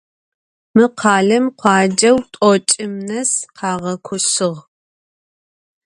Mı khalem khuaceu t'oç'ım nes khağekoşığ.